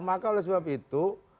maka oleh sebab itu